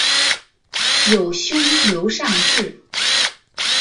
有兄刘尚质。